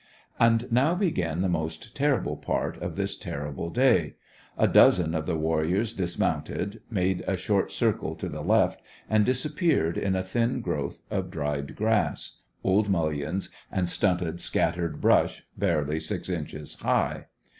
And now began the most terrible part of this terrible day. A dozen of the warriors dismounted, made a short circle to the left, and disappeared in a thin growth of dried grasses, old mulliens, and stunted, scattered brush barely six inches high.